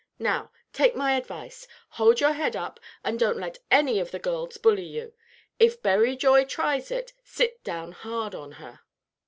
Now, take my advice: hold your head up, and don't let any of the girls bully you. If Berry Joy tries it, sit down hard on her."